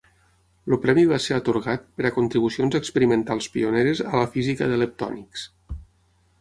El premi va ser atorgat "per a contribucions experimentals pioneres a la física de leptònics".